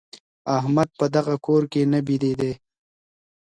احمد په دغه کور کي نه بېدېدی.